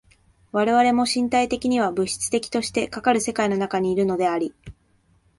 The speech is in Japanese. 我々も身体的には物質的としてかかる世界の中にいるのであり、